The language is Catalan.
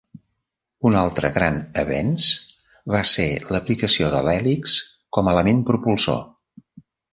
Un altre gran avenç va ser l'aplicació de l'hèlix com a element propulsor.